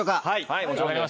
はい！